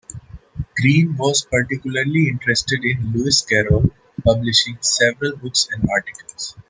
Green was particularly interested in Lewis Carroll, publishing several books and articles.